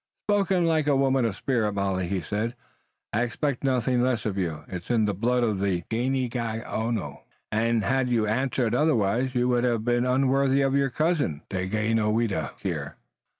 "Spoken like a woman of spirit, Molly," he said. "I expected none the less of you. It's in the blood of the Ganeagaono and had you answered otherwise you would have been unworthy of your cousin, Daganoweda, here."